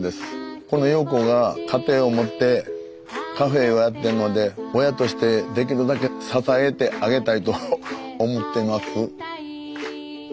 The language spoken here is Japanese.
この優子が家庭を持ってカフェをやってるので親としてできるだけ支えてあげたいと思ってます。